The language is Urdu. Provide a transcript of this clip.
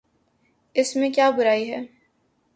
اس میں کیا برائی ہے؟